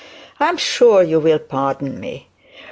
I am sure you will pardon me.